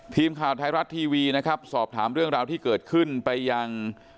ทีมข่าวไทยรัฐทีวีนะครับสอบถามเรื่องราวที่เกิดขึ้นไปยัง